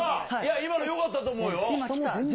今のよかったと思うよ。